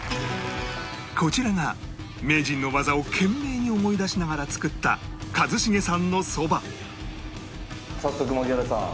こちらが名人の技を懸命に思い出しながら作った早速槙原さん